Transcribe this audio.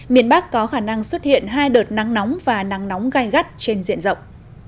miền bắc có khả năng xuất hiện hai đợt nắng nóng và nắng nóng gai gắt trên diện rộng